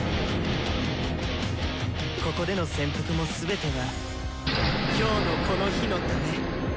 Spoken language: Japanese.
ここでの潜伏も全ては今日のこの日のため。